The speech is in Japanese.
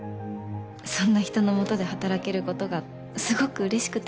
そんな人の下で働けることがすごくうれしくて。